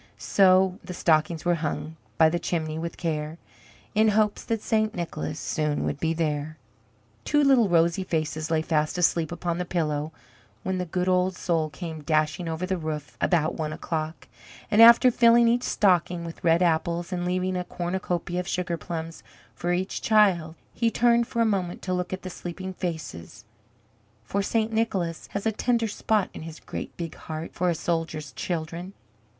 So: "The stockings were hung by the chimney with care, In hopes that St. Nicholas soon would be there." Two little rosy faces lay fast asleep upon the pillow when the good old soul came dashing over the roof about one o'clock, and after filling each stocking with red apples, and leaving a cornucopia of sugar plums for each child, he turned for a moment to look at the sleeping faces, for St. Nicholas has a tender spot in his great big heart for a soldier's children.